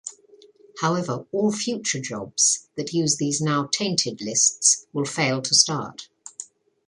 However, all future jobs that use these now tainted lists will fail to start.